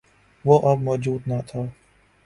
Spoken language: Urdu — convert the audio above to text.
وہ اب موجود نہ تھا۔